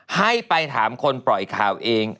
ให้ไปถามคนปล่อยข่าวเอง